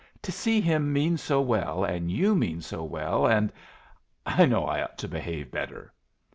To see him mean so well and you mean so well, and I know I ought to behave better!"